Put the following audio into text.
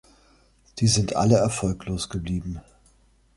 Sie sind alle erfolglos geblieben.